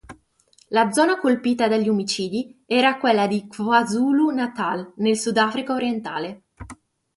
La zona colpita dagli omicidi era quella di KwaZulu-Natal, nel Sudafrica orientale.